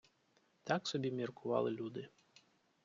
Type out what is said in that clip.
Так собі міркували люди.